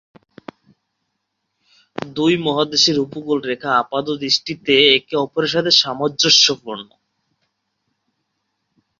দুই মহাদেশের উপকূলরেখা আপাতদৃষ্টিতে একে অপরের সাথে সামঞ্জস্যপূর্ণ।